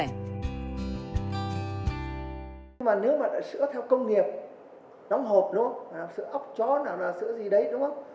nếu mà sữa theo công nghiệp nóng hộp sữa ốc chó nào là sữa gì đấy đúng không